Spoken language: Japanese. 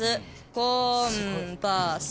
コンパス。